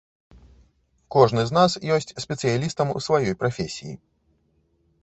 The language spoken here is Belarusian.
Кожны з нас ёсць спецыялістам у сваёй прафесіі.